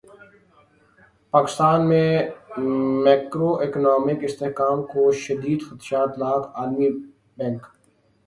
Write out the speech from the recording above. پاکستان میں macroeconomic استحکام کو شدید خدشات لاحق عالمی بینک